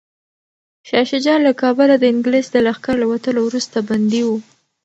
شاه شجاع له کابله د انګلیس د لښکر له وتلو وروسته بندي و.